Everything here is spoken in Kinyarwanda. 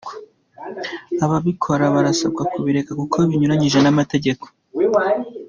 Ababikora barasabwa kubireka kuko binyuranyije n’amategeko.